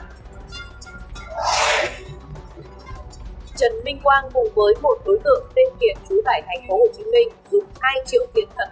trần minh quang cùng với một đối tượng tên kiệt trú tại thành phố hồ chí minh dùng hai triệu tiền thật